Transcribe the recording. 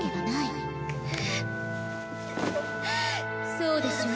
そうでしょう？